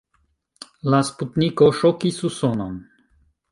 La sputniko ŝokis Usonon.